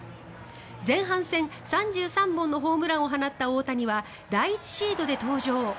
前半戦、３３本のホームランを放った大谷は第１シードで登場。